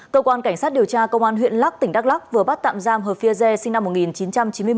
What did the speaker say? cơ quan cảnh sát điều tra công an huyện lắc tỉnh đắk lắc vừa bắt tạm giam hờ phi dê sinh năm một nghìn chín trăm chín mươi một